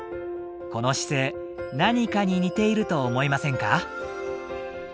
この姿勢何かに似ていると思いませんか？